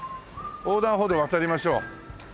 横断歩道渡りましょう。